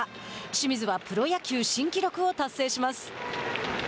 清水はプロ野球新記録を達成します。